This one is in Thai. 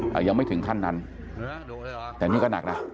แต่ยังไม่ถึงขั้นนั้นแต่นี่ก็หนักนะ